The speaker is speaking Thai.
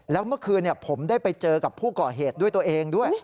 แล้วเมื่อคืนผมได้ไปเจอกับผู้ก่อเหตุด้วยตัวเองด้วย